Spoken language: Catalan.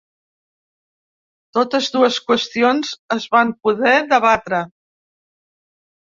Totes dues qüestions es van poder debatre.